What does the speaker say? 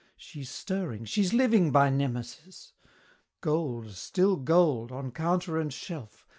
"She's stirring! she's living, by Nemesis!" Gold, still gold! on counter and shelf!